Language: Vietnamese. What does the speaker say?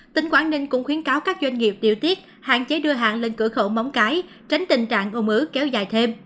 tỉnh quảng ninh cũng khuyến cáo các doanh nghiệp điều tiết hạn chế đưa hàng lên cửa khẩu móng cái tránh tình trạng ô ứ kéo dài thêm